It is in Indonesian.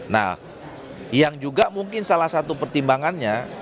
nah yang juga mungkin salah satu pertimbangannya